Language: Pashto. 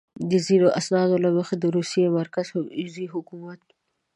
د ځینو اسنادو له مخې د روسیې مرکزي حکومت.